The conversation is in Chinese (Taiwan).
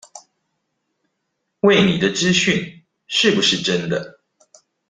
餵你的資訊是不是真的